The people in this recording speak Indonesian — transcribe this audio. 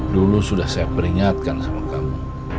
dulu sudah saya peringatkan sama kamu